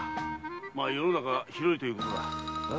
ま世の中は広いということだ。